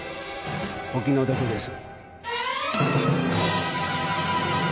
お気の毒です。